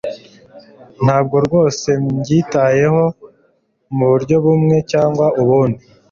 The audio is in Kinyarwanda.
Ntabwo rwose mbyitayeho muburyo bumwe cyangwa ubundi.